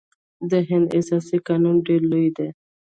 د هند اساسي قانون ډیر لوی دی.